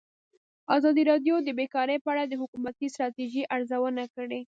ازادي راډیو د بیکاري په اړه د حکومتي ستراتیژۍ ارزونه کړې.